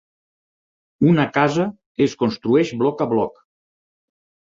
Una casa es construeix bloc a bloc.